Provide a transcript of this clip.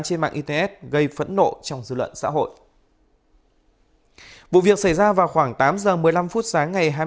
trên mạng its gây phẫn nộ trong dư luận xã hội vụ việc xảy ra vào khoảng tám h một mươi năm phút sáng ngày